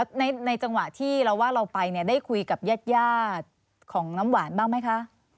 ในจังหวะที่เราว่าเราไปเนี่ยได้คุยกับญาติยาดของน้ำหวานบ้างไหมคะ